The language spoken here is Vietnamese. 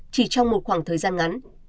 chỉ trong một khoảng thời gian ngắn